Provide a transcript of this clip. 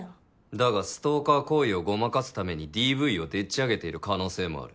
だがストーカー行為をごまかすためにＤＶをでっちあげている可能性もある。